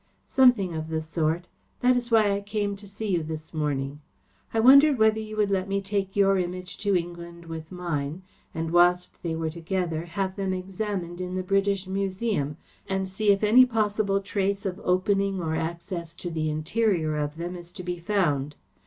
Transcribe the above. "Something of the sort. That is why I came to see you this morning. I wondered whether you would let me take your Image to England with mine, and, whilst they were together, have them examined in the British Museum, and see if any possible trace of opening or access to the interior of them is to be found?